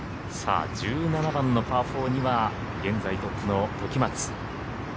１７番のパー４には現在トップの時松。